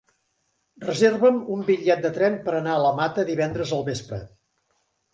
Reserva'm un bitllet de tren per anar a la Mata divendres al vespre.